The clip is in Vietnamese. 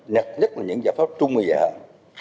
nhất là những giải pháp trung bình giả hạn